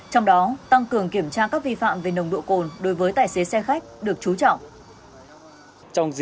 trong đó tăng cường kiểm tra các vi phạm về nồng độ cồn đối với tài xế xe khách được trú trọng